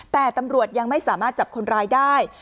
แต่ตำรวจยังไม่สามารถจับคนร้ายได้